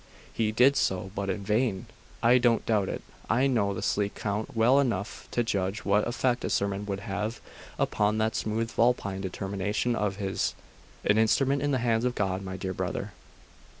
'He did so, but in vain.' 'I don't doubt it. I know the sleek Count well enough to judge what effect a sermon would have upon that smooth vulpine determination of his.... "An instrument in the hands of God, my dear brother....